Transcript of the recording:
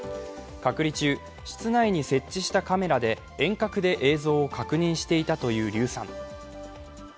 隔離中、室内に設置したカメラで遠隔で映像を確認していたという劉さん。